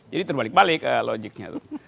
jadi terbalik balik logiknya